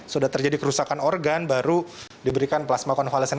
sudah terjadi kerusakan organ baru diberikan plasma konvalesen